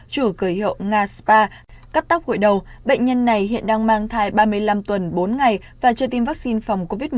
chủ cửa hiệu nga spa cắt tóc gội đầu bệnh nhân này hiện đang mang thai ba mươi năm tuần bốn ngày và chưa tiêm vaccine phòng covid một mươi chín